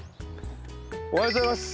おはようございます。